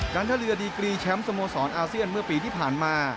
ท่าเรือดีกรีแชมป์สโมสรอาเซียนเมื่อปีที่ผ่านมา